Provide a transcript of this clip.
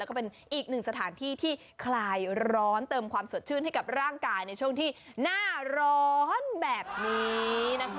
ก็เป็นอีกหนึ่งสถานที่ที่คลายร้อนเติมความสดชื่นให้กับร่างกายในช่วงที่หน้าร้อนแบบนี้นะคะ